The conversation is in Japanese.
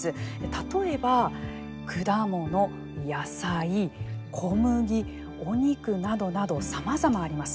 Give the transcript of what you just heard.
例えば、果物、野菜、小麦お肉などなど、さまざまあります。